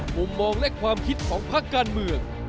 มุมมองและความคิดของพักการเมือง